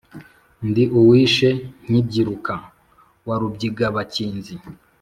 Ndi uwishe nkibyiruka wa Rubyigabakinzi;